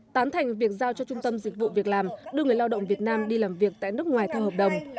tán thành việc giao cho trung tâm dịch vụ việc làm đưa người lao động việt nam đi làm việc tại nước ngoài theo hợp đồng